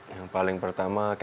yang paling pertama cateringnya